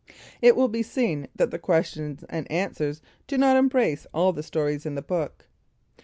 It will be seen that the questions and answers do not embrace all the stories in the book.